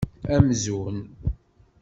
Amzun!